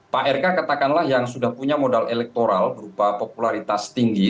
pak rk katakanlah yang sudah punya modal elektoral berupa popularitas tinggi